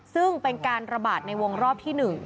ซึ่งเป็นการระบาดในวงรอบที่๑